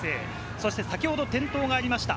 そして先ほど転倒がありました